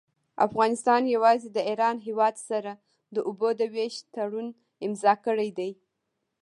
افغانستان يوازي د ايران هيواد سره د اوبو د ويش تړون امضأ کړي دي.